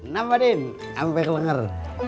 nah pak din sampai kelenger